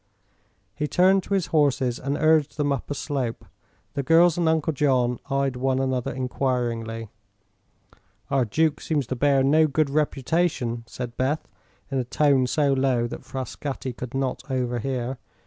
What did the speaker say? He turned to his horses and urged them up a slope. The girls and Uncle John eyed one another enquiringly. "Our duke seems to bear no good reputation," said Beth, in a tone so low that Frascatti could not overhear.